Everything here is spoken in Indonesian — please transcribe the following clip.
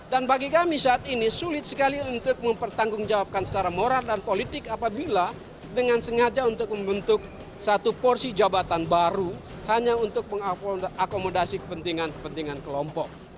dan bagi kami saat ini sulit sekali untuk mempertanggungjawabkan secara moral dan politik apabila dengan sengaja untuk membentuk satu porsi jabatan baru hanya untuk mengakomodasi kepentingan kepentingan kelompok